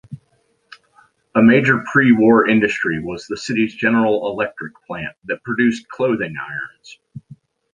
A major pre-war industry was the city's General Electric plant that produced clothing irons.